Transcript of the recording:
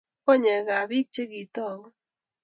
Konyekab bik chekitoku